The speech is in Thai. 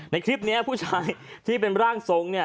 ในคลิปนี้ผู้ชายที่เป็นร่างทรง